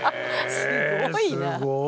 すごいな。